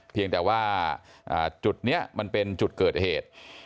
เพียงแต่ว่าจุดนี้มันเป็นจุดเกิดเหตุ